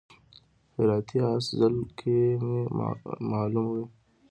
هراتی اس ځل کې معلوم وي.